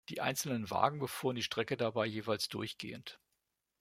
Die einzelnen Wagen befuhren die Strecke dabei jeweils durchgehend.